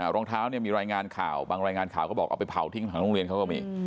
รองเท้าเนี่ยมีรายงานข่าวบางรายงานข่าวก็บอกเอาไปเผาทิ้งถังโรงเรียนเขาก็มี